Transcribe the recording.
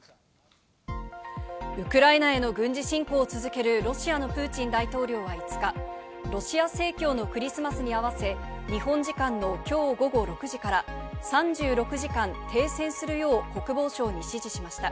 ウクライナへの軍事侵攻を続けるロシアのプーチン大統領は５日、ロシア正教のクリスマスに合わせ日本時間の今日午後６時から３６時間停戦するよう国防省に指示しました。